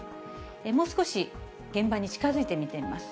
もう少し現場に近づいて見てみます。